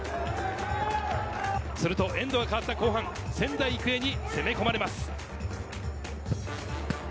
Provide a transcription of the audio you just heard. するとエンドが変わった後半、仙台育英に攻め込まれます。